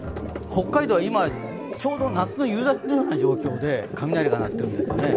北海道は今、ちょうど夏、夕立のような状況で雷が鳴っているんですよね。